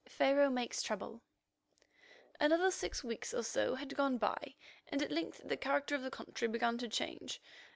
PHARAOH MAKES TROUBLE Another six weeks or so had gone by, and at length the character of the country began to change.